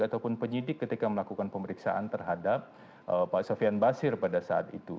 ataupun penyidik ketika melakukan pemeriksaan terhadap pak sofian basir pada saat itu